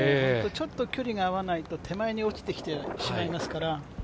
ちょっと距離が合わないと手前に落ちてきてしまいますから。